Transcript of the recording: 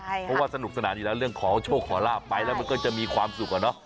เพราะว่าสนุกสนานอยู่แล้วเรื่องของโชคขอลาบไปแล้วมันก็จะมีความสุขอะเนาะ